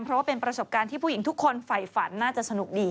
เพราะว่าเป็นประสบการณ์ที่ผู้หญิงทุกคนฝ่ายฝันน่าจะสนุกดี